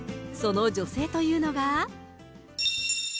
その女性というのが。